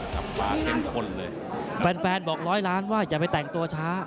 กลับมาเป็นคนเลยแฟนแฟนบอกร้อยล้านว่าอย่าไปแต่งตัวช้า